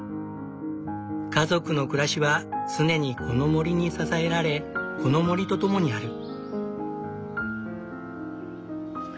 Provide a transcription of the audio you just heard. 家族の暮らしは常にこの森に支えられこの森とともにある。